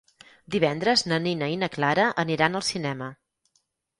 Divendres na Nina i na Clara aniran al cinema.